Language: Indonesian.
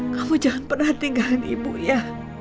kamu jangan pernah tinggalan ibu ya